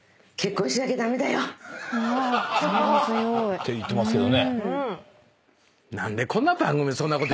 て言ってますけどね。